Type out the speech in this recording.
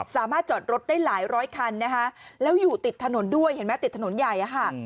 สามารถจอดรถได้หลายร้อยคันแล้วอยู่ติดถนนด้วยติดถนนใหญ่ค่ะ